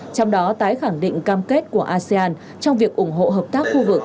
trong đó tái khẳng định cam kết của asean trong việc ủng hộ hợp tác khu vực